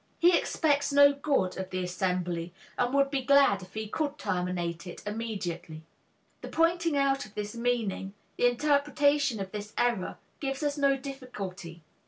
He expects no good of the assembly, and would be glad if he could terminate it immediately. The pointing out of this meaning, the interpretation of this error, gives us no difficulty.